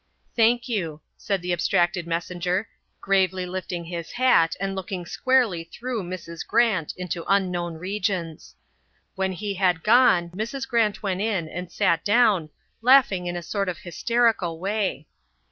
"Thank you," said the abstracted messenger, gravely lifting his hat and looking squarely through Mrs. Grant into unknown regions. When he had gone Mrs. Grant went in and sat down, laughing in a sort of hysterical way.